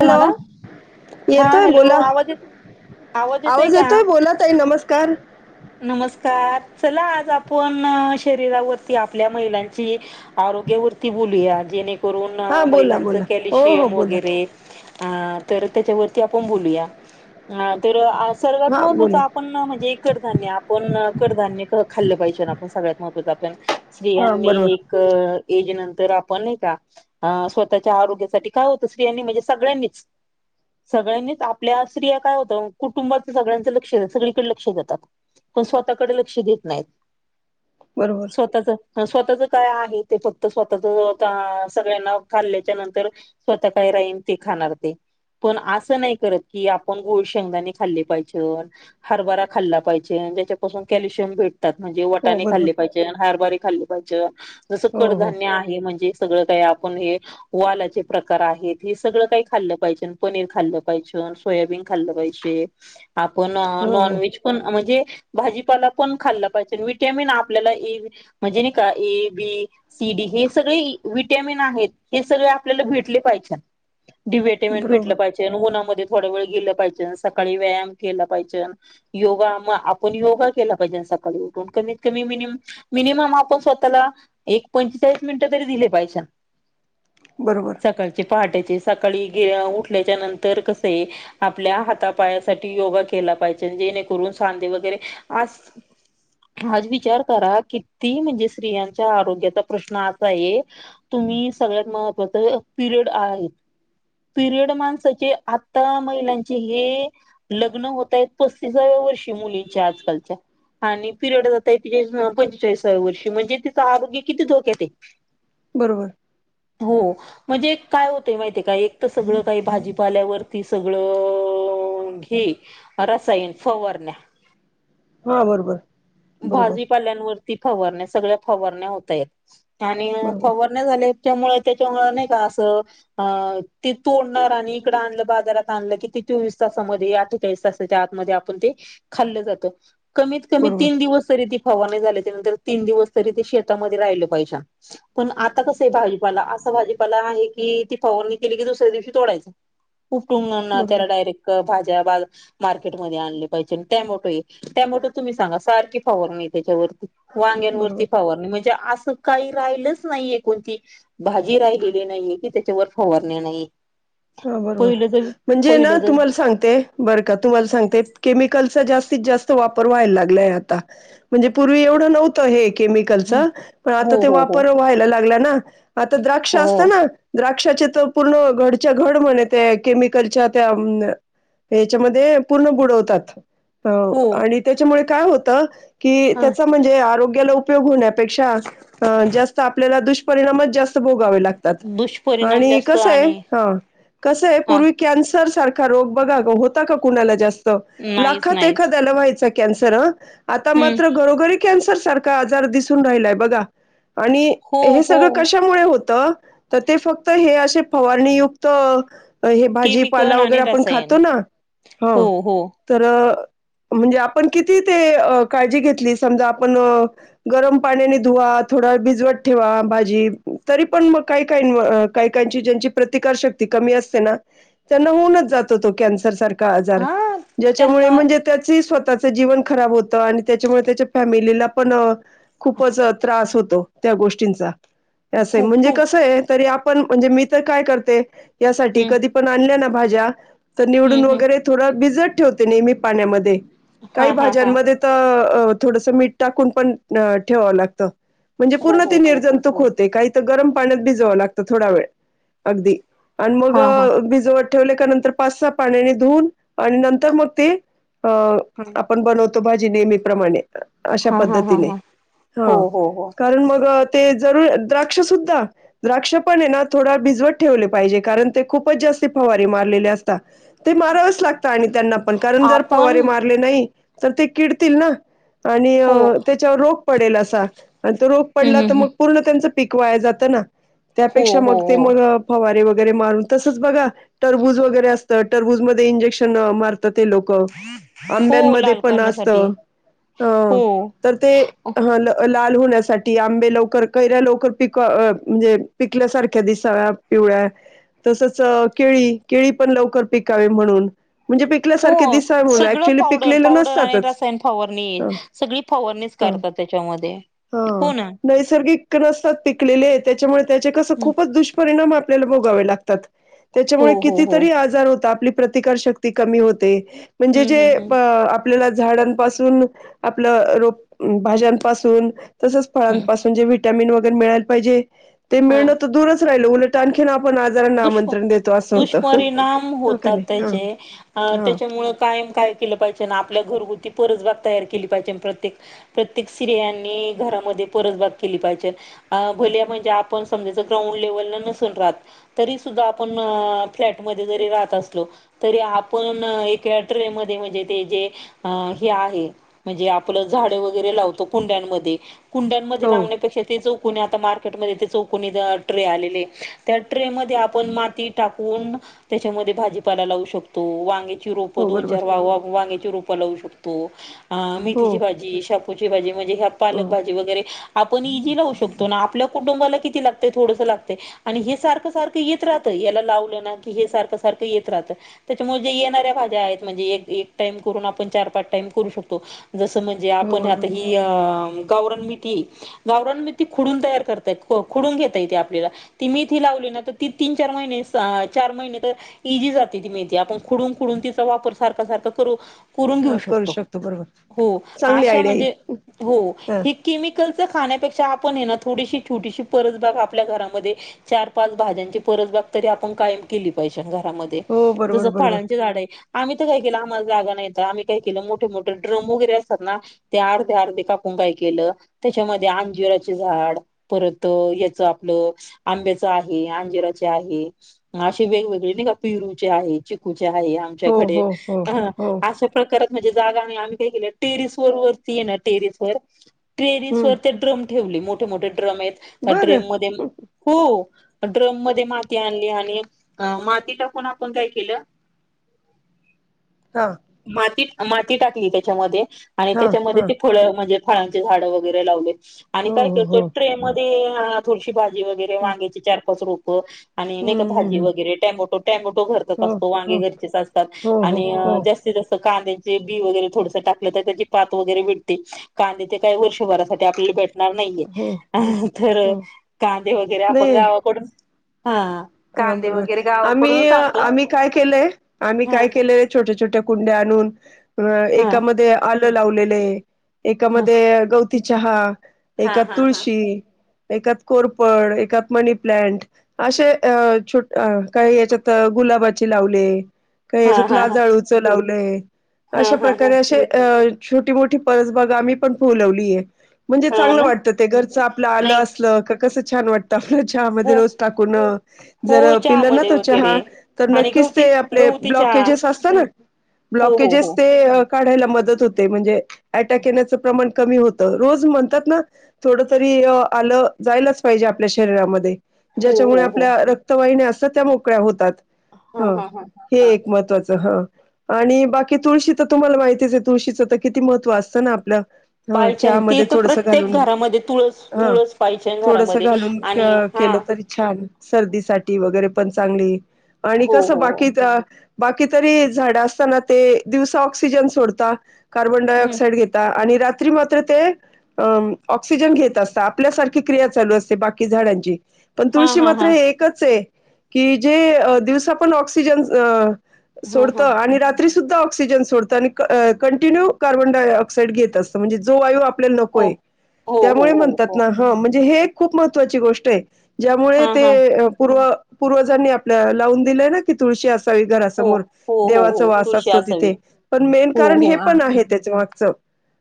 Hello हा येतोय hello बोला आवाज येत आवाज येतोय का? बोला ताई नमस्कार नमस्कार चला आज आपण शरीरावरती आपल्या महिलांची. आरोग्यावरती बोलूया जेणेकरून हा बोला महिलांचं बोला हो हो कॅल्शियम बोला वगैरे! हा तर त्याच्यावरती आपण बोलूया हा तर आज. सर्वात हा महत्त्वाचं बोला आपण म्हणजे, धान्य आपण कडधान्य खाल्लं पाहिजे ना आपण सगळ्यात महत्वाचं आपण हा बरोबर स्त्रियांनी? क ऐज नंतर आपण नाही का? हा स्वतःच्या आरोग्यासाठी काय होतं स्त्रियांनी म्हणजे सगळ्यांनीच. सगळ्यांनीच आपल्या स्त्रीया काय होतं कुटुंबाचं सगळ्यांचं लक्ष सगळीकडे लक्ष देतात. पण स्वतःकडे लक्ष देत नाहीत. बरोबर, स्वतःच स्वतःच काय आहे ते फक्त स्वतःच स्वतः सगळ्यांना खाल्ल्याच्या नंतर! स्वतः काय राहीन ते खाणार ते, पण असं नाही करत की आपण गुळ शेंगदाणे खाल्ली पाहिजेत, हरभरा खाल्ला पाहिजे. जे ज्याच्यापासून कल्शियम भेटतात म्हणजे हो वटाणे बरोबर खाल्ले पाहिजेन, हरभरे खाल्ले पाहिजेन. जसं हो हो कडधान्य आहे म्हणजे सगळं काही आपण हे! वालाचे प्रकार आहेत हे सगळं काही खाल्लं पाहिजेन, पनीर खाल्लं पाहिजेन. सोयाबीन खाल्ले पाहिजे, आपण हो हो नॉनव्हेज. पण म्हणजे भाजीपाला पण खाल्ला पाहिजे विटॅमिन आपल्याला इ, म्हणजे नाही का ए बी! सी-डी हे सगळे विटॅमिन आहेत हे सगळे आपल्याला भेटले पाहिजे. डी व्हिटामिन भेटलं बरोबर पाहिजे. त्यानं उन्हामध्ये थोड वेळ गेल पाहिजे सकाळी व्यायाम केला पाहिजे योगा. मग आपण योगा केला पाहिजे सकाळी उठून कमीत कमी मिनम मिनिमम आपण स्वतःला. एक पंचेचाळीस मिनिट तरी दिले पाहिजेत. बरोबर. सकाळची पहाटेची सकाळी ग उठल्याच्या नंतर कस आहे आपल्या हाता पायासाठी योगा केला पाहिजे जेणेकरून सांधे वगैरे आज आज विचार करा किती म्हणजे स्त्रियांच्या आरोग्याचा प्रश्न असा आहे तुम्ही सगळ्यात महत्त्वाचं पिरियड आहेत पिरियड माणसाची आता महिलांची हे लग्न होतय पस्तीसाव्या वर्षी मुलींच्या आजकालच्या आणि पिरियड जातायेत हेच ना पंचेचाळीसाव्या वर्षी म्हणजे तिचं आरोग्य किती धोक्यात आहे [unintelligible] बरोबर. हो. म्हणजे काय होतं माहितीय काय एक तर सगळं काही भाजीपाल्यावरती सगळं आह हे रसायन फवारण्या हा बरोबर. बरोबर भाजीपाल्यांवरती फवारण्या सगळ्या फवारण्या होताहेत आणि बरोबर फवार ण्या झाल्याच्यामुळे त्याच्यामुळे नाही का असं अह ते तोडणार आणि इकडं आणलं बाजारात आणलं की ते चोवीस तासामध्ये अठ्ठेचाळीस तासाच्या आतमध्ये आप पण ते खाल्ल जात कमीत कमी बरोबर तीन दिवस तरी ते फवारणी झाल्याच्यानंतर तीन दिवस तरी ते शेतामध्ये राहिले पाहिजे पण आता कसं आहे भाजीपाला असा भाजीपाला आहे की ती फवारणी केली की दुसऱ्या दिवशी तोडायच [unintelligible] बरोबर त्याला डायरेक्ट भाज्या बा अह मार्केट मध्ये आणले पाहिजेल टॅमोटो आहे टॅमोटो तुम्ही सांगा सारखी फवारणी त्याच्यावरती बरोबर वांग्यांवरती फवारणी म्हणजे असं काही राहिलच नाहीे कोणती भाजी राहिलेली नाहीये की त्याच्यावर फवारणी नाही हा बरोबर, पहिलं ज म्हणजे ना पहिलं ज तुम्हाला सांगते बरं का तुम्हाला सांगते केमिकलचा जास्तीत जास्त वापर व्हायला लागलाय आता म्हणजे पूर्वी एवढं नव्ह होत हे केमिकलच पण हो आता ते हो हो वापर व्हायला लागला ना आता द्राक्ष हो असत ना द्राक्षाचे तर पूर्ण घड च्या घड म्हणे ते केमिकलच्या त्या याच्यामध्ये पूर्ण बुडवतात. हाव हो आणि त्याच्यामुळे काय होत की हा त्याचा म्हणजे आरोग्याला उपयोग होण्या पेक्षा अह जास्त आपल्या दुषपिणामच जास्त त भोगावे लागतात दुष्परिणाम आणि जास्त कसं आहे आणि कस आहे हा पूर्वी कॅन्सर सारखा रोग बघा होता का कुणाला जास्त त नाहीच लाखात नाहीच एखाद्याला व्हायचा कॅन्सर हा, आता हम्म मात्र घरोघरी कॅन्सर सारखा आजार दिसून राहिलाय बघा आणि हो हे हो सगळं कश्या कशामुळे होत तर ते फक्त हे असे फवारणीयुक्त हे भाजी पाला केमिकल आणि वगैरे आपण रसायन खातो ना. हो. तर म्हणजे आपण किती ते काळजी अह घेतली समजा आपण गरम पाण्याने धुवा, थोडा वेळ भिजवत ठेवा भाजी, तरी पण मग काही काही अह काही काहींची ज्यांची प्रतिकार शक्ती कमी असते ना त्यांना होऊनच जातो तो कॅन्सर सार खा आकार हा ज्यांच्यामुळे त्यांना म्हणजे त्याच स्वतःचं जीवन खराब होतं आणि त्याच्यामुळे त्याच्या फॅमिलीला पण अह खूपच त्रास होतो त्या गोष्टींचा अस आहे, खूप म्हणजे खूप कसं आहे तरी आपण म्हणजे मी तर काय करते यासाठी हम्म कधी पण आणल्या ना भाज्या तर हम्म निवडून हम्म वगैरे थोडा भिजत ठेवते नेहमी पाण्यामध्ये हा काही हा हा भाज्यांमध्ये तर थोडसं मीठ टाकून पण ठेवावं लागत. म्हणजे हो पूर्ण हो ते हो हो हो निर्जंतुक होते काही तर गरम पाण्यात भिजवां लागतं थोडा वेळ अगदी आणि मग हा हा भिजवत ठेवले का नंतर पाच स पाण्याने धुन आणि नंतर मग ते हा आपण बनवत तो, भाजी नेहमी प्रमाणे अश्या हा हा पद्धतीने हा हो हा, हो हो कारण मग ते जरूर द्राक्ष सुद्धा, द्राक्ष पण ए ना थोडा भिजवट ठेवले पाहिजे, कारण ते खूपच जास्त फवारी मारलेले असतात. ते मारावंच लागतं आणि त्यांना पण कारण जर फवारे आपण मारले नाही तर ते किडतील ना. आणि हो त्याच्यावर रोग पडेल असा आणि तो रोग हम्म पडला हम्म तर मग हम्म पूर्ण त्यांच पिक वाय जात ना, हो त्यापेक्षा हो मग ते हो मग फवारे वगैर मारून तसच बघा टरबूज वगैरे असतं, टरबूज मध्ये इंजेक्शन मार ते लोक, हो आंब्यांमध्ये लाल पण असत करण्यासाठी होव हो तर ते ह ल लाल होण्यासाठी आंबे लवकर, कैऱ्या लवकर पिक म्हणजे पिकल्यासारख्या दिसाव्या पिवळ्या तसच केळी, केळी पण लवकर पिकावे म्हणून, म्हणजे पिकल्यासारखे हो, दिसावे म्हणून सगळं ऍक्च्युली पावडर, पिकलेले पावडर आणि नसतातच रसायन फवरणी ह सगळी फॉवरणी करतात त्याच्यामध्ये. हो, नैसर्गिक नसतात पिकलेले, त्याच्यामुळे त्याचे कस हम्म. खूपच दुष्परिणाम आपल्याला भोगावे लागतात. हो त्याच्यामुळे हो हो कितीतरी आजार होता आपली प्रतिकारशक्ती कमी होते म्हणजे हम्म जे हम्म हम्म आपल्याला झाडांपासून आपलं रोप भाज्यांपासून तसच हम्म. फळांपासून जे व्हटॅमिन वगैरे मिळायला पाहिजे, ते मिळणं तर दूरच राहिल उलट आणखीन आपण आजारांना दुष्, आमंत्रण देतो असं होतं. दुष्परिणाम हो का होतात नाही हां त्याचे. अ हां त्याच्यामुळ कायम काय केलं पाहिजे ना आपल्या घरगुती परसबाग तयार केली पाहिजे प्रत्येक प्रत्येक स्त्रियांनी घरामध्ये परसबाग केली पाहिजे. अ भोलिया म्हणजे आपण समजाच ग्राउंड लेवलला नसून राहत तरी सुद्धा आपण फ्लॅटमध्ये जरी राहत असलो तरी आपण एका ट्रे मध्ये म्हणजे ते जे हे आहे म्हणजे आपलं झाडे वगैरे लावतो कुंड्यांमध्ये कुंड्यांमध्ये हो लावण्यापेक्षा ते चौकनी आता मार्केटमध्ये ते चौकनी ट्रे आलेले त्या ट्रे मध्ये आपण माती टाकून त्याच्यामध्ये भाजीपाला लावू शकतो वांग वांगे ची रोप हो दोन, बरोबर चार वा वांग्याची रोप लावू शकतो हो मेथीची भाजी शेपुची भाजी म्हणजे ह्या हो पालक भाजी वगैरे आपण इजी लावू शकतो ना, आपल्या कुटुंबाला किती लागत थोडसं लागत आणि हे सारख सारखं येत राहतं, याला लावलं ना की हे सारखं, सारखं येत राहतं त्याच्यामुळे जे येणाऱ्या भाज्या आहेत म्हणजे एक टाइऊ म करून आपण चार, पाच टाइम करू शकतो. जसं म्हणजे हो आपण बरोबर आता ही अ गौरन मेथीये गावरां मेथी खोडून तयार करताय, खोडून घेता ये ते आपल्याला, ती मेथी लावली ना तर ती तीन, चार महिने, चार महिने तर इझी जाते ती मेथी, आपण खुडून, खुडून तिचा वापर सारख, सारखं करू करून घेऊ हां करू शकतो, बरोबर हो, चांगली अशा आयडिया आहे म्हणजे हो हां. ह केमिकलच खाण्यापेक्षा आपण ना थोडीशी छोटीशी परसबाग आपल्या घरामध्ये चार, पाच वाजलेत सबपाच भाज्यांची परसबाग तरी आपण कायम केली पाहिजे घरामध्ये हो जस बरोबर बरोबर फळांची झाड ए आम्ही तर काही केलं, आम्हाला जागा नाही तर आम्ही काही केलं, मोठे मोठे ड्रम वगैरे असतात ना ते अर्धे अर्धे कापून काय केलं त्याच्यामध्ये आंजीराचे झाड. परत याच आपलं आंब्याच आ ''--'' हे अंजराचे आहे असे वेगवेगळे पिरूचे आहे चिकूचे आहे. हो आमच्याकडे हो हो ह हो असं. प्रकारात म्हणजे जागा नाही आम्ही काय केलं टेरेस वर वरती ये ना टेरेस वर. ट्रेरीस वर हम्म ते ड्रम ठेवले मोठे-मोठे ड्रम आहेत. त्या बरं ड्रेम मध्ये हं, हो, ड्रम मध्ये माती आणली आणि अ माती टाकून आपण काय केलं. [inaudible] हा, मातीत माती टाकली त्याच्यामध्ये आणि हा त्याच्यामध्ये हा ते फळं म्हणजे. फळांचे झाडं वगैरे लावले आणि हो काय हो करतो हो ट्रे मध्ये थोडीशी भाजी. भाजी वगैरे हम्म वांग्याची चार-पाच रोपं. आणि नाही का भाजी हम्म, हम्म. वगैरे टॅमोटो टॅमोटो घरचेच हो असतात वांगे हो घरचेच असतात. हो हो आणि हो जास्तीत-जास्त कांदे. चे बी वगैरे थोडसं टाकलं तर त्याची पात वगैरे भेटते. कांदे ते काय वर्षभरासाठी आपल्याला भेट ''--'' णार नाहीये. हो तर हो कांदे वगैरे आपण नाही गावाकडून हा, हा, कांदे वगैरे बरोबर आम्ही गावाकडूनच आणतो आम्ही काय केलंय आम्ही हा काय केलंय. छोट्या-छोट्या कुंड्या आणून अ हा एकामध्ये आलं लावलेले आहे. हा एकामध्ये गवती चहा हा एकात हा हा तुळशी. एकात कोरफड एकात मनीप्लॅंट असे. ''अं ''छोटं काही याच्यात गुलाबाचे लावले काही याच्यात हा हा लाजळू. चं लावले हा अशा हा हा प्रकारे असे अ. छोटी-मोठी परसबाग आम्ही पण फोलवलीय. म्हणजे हा चांगलं ना वाटतं ते घरचं आपलं आलं नाही असलं का कसं छान वाटतं. त आपल्या चहामध्ये हो रोज टाकून. हो जर पिलं ना चहामध्ये तो वगैरे चहा तर आणि नक्कीच गवती ते आपले गवती चहा ब्लॉकेजेस असतात ना. हो हो ब्लॉकेजेस हो ते. ते काढायला मदत होते. म्हणजे अटॅक येण्याचं प्रमाण कमी होतं. रोज म्हणतात ना. थोडं तरी आलं जायलाच पाहिजे आपल्या शरीरामध्ये. हो ज्याच्यामुळे हो हो आपल्या रक्तवाहिन्या असतात त्या मोकळ्या होतात. हा ह हा हा हा, हे हा एक महत्त्वाचं हं. आणि बाकी तुळशी तर तुम्हाला माहितीच आहे. तुळशीचं तर किती महत्व असतं ना आपलं. हा चहा पायचन ते मध्ये तर थोडसं प्रत्येक घालून घरामध्ये तुळस हा तुळस पायचन थोडसं घरामध्ये घालून आणि हा केलं तरी. छान सर्दीसाठी वगैरे पण चांगली आणि हो कसं हो हो बाकी त्या. बाकी तरी झाडं असतं ना, ते दिवसा ऑक्सिजन सोडता कार्बन डाय हम्म ऑक्साइड घेत ''--'' ता आणि रात्री मात्र ते. ''अं ''ऑक्सिजन घेत असतात. आपल्यासारखी क्रिया चालू असते बाकी झाडांची. पण हा तुळशी हा मात्र हा हे एकच आहे की, जे दिवसापण ऑक्सिजन. हा सोडतो हा आणि रात्री सुद्धा ऑक्सिजन सो ''--'' सोडतो कंटीन्यू कार्बनडाय ऑक्साईड घेत असतो. म्हणजे जो वायू आपल्याला. आपल्याला हो नकोय. हो हो त्यामुळे हो म्हणतात हो ना हं म्हणजे हे एक खूप महत्त्वाची गोष्ट आहे. ज्यामुळे. हा हा ते पूर्व-पूर्वजांनी आपल्या लावून दिलंय ना. की, तुळशी असावी हो घरासमोर हो हो देवाचा हो वास तुळशी असतो असावी तिथे. पण मेन हो कारण हे हो हा पण आहे. त्याच्या मागचं.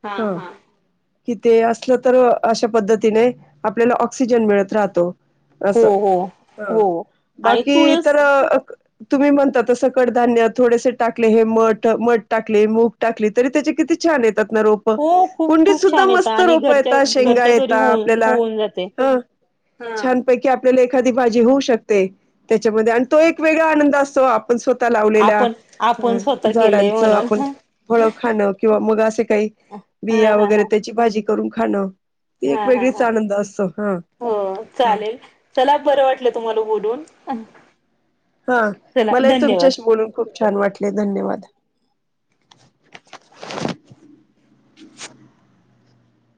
हा ''हां'' हा किती ते असलं तर, अशा पद्धतीने आपल्याला ऑक्सिजन मिळत राहतो. असं हो.., हो. हा, आणि बाकी तर तुळस तुम्ही म्हणता तसं कडधान्यात थोडेसे टाकले हे मठ-मठ टाकलेले, मूग टाकले, तरी त्याचे किती छान येतात ना रोप पं हो खूप कुंडीत खूप सुद्धा छान येतं मस्त आणि रोपं घरच्या येता, शेंगा घरच्या घरी येता आपल्याला. हं हां. आपल्याला एखादी भाजी होऊ शकते त्याच्यामध्ये, आणि तो एक वेगळा आनंद असतो, आप पण स्वतः लावलेल्या आपण आपण हा स्वतः केलंय झाडांचं म्हणून. आपण फळ खाणं किंवा मग असे काही हा बिया हा वगैरे हा त्याची भाजी करून खाण ते एक हा हा वेगळीच हा आनंद असतो. हा हो हा चालेल चला बरं वाटलं तुम्हाला बोलून. हा चला मलाही धन्यवाद. तुमच्याशी बोलून खूप छान वाटले धन्यवाद.